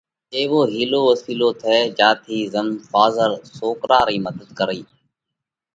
ايوو هِيلو وسِيلو ٿئہ جيا ٿِي زم ڦازر سوڪرا رئِي مڌت ڪرئي